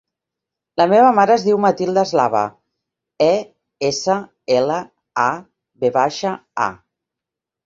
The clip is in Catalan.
La meva mare es diu Matilda Eslava: e, essa, ela, a, ve baixa, a.